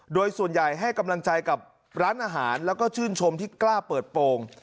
โดยส่วนใหญ่ให้กำลังใจกับร้านอาหารแล้วก็ชื่นชมที่กล้าเปิดโปรง